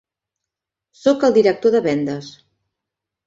Soc el director de vendes.